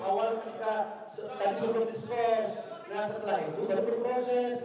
awal kita tadi sebelum diskes nah setelah itu baru berproses